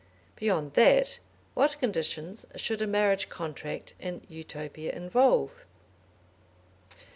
Beyond that, what conditions should a marriage contract in Utopia involve?